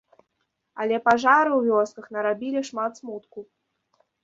Але пажары ў вёсках нарабілі шмат смутку.